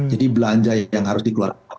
jadi belanja yang harus dikeluarkan